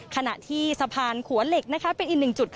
ขณะที่สะพานขัวเหล็กเป็นอีกหนึ่งจุด